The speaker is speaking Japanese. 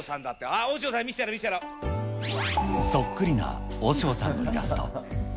あっ、そっくりな和尚さんのイラスト。